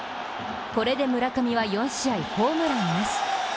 これで村上は４試合ホームランなし。